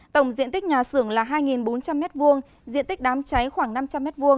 tổng diện tích nhà xưởng là hai bốn trăm linh m hai diện tích đám cháy khoảng năm trăm linh m hai